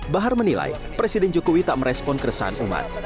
bahar menilai presiden jokowi tak merespon keresahan umat